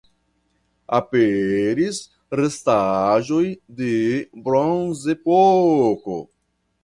Aperis restaĵoj de Bronzepoko.